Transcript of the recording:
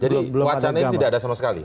jadi wacannya tidak ada sama sekali